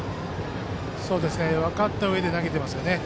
分かったうえで投げていますね。